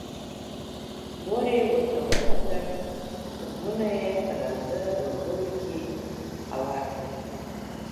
مور یې ورته وخندل، تخمونه یې په لانده ورغوي کې هوار کړل.